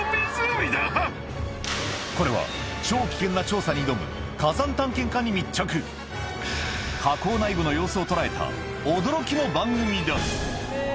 これはに挑む火山探検家に密着火口内部の様子を捉えた驚きの番組だ